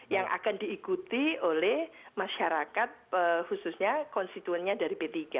yang akan diikuti oleh masyarakat khususnya konstituennya dari p tiga